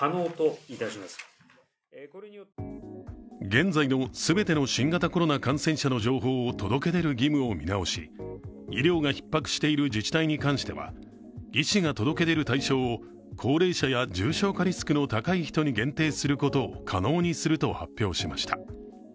現在の全ての新型コロナ感染者の情報を届け出る義務を見直し医療がひっ迫している自治体に関しては医師が届け出る対象を高齢者や重症化リスクの高い人に限定すると可能にすると発表しました。